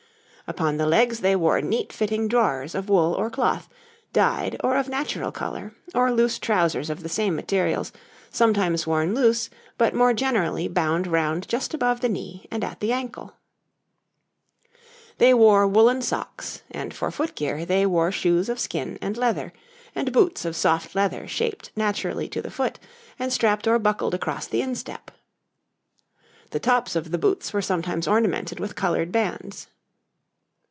Upon the legs they wore neat fitting drawers of wool or cloth, dyed or of natural colour, or loose trousers of the same materials, sometimes worn loose, but more generally bound round just above the knee and at the ankle. [Illustration: {A man of the time of William I.}] They wore woollen socks, and for footgear they wore shoes of skin and leather, and boots of soft leather shaped naturally to the foot and strapped or buckled across the instep. The tops of the boots were sometimes ornamented with coloured bands.